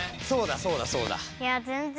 そうだそうだそうだ。